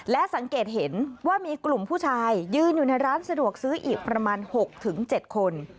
และสังเกตเห็นว่ามีกลุ่มผู้ชายยืนอยู่ในร้านสะดวกซื้ออีกประมาณ๖๗คน